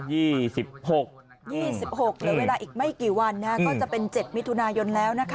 เหลือเวลาอีกไม่กี่วันก็จะเป็น๗มิถุนายนแล้วนะคะ